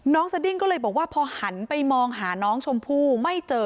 สดิ้งก็เลยบอกว่าพอหันไปมองหาน้องชมพู่ไม่เจอ